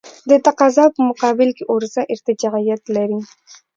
د تقاضا په مقابل کې عرضه ارتجاعیت لري.